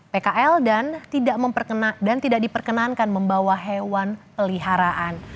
pkl dan tidak diperkenankan membawa hewan peliharaan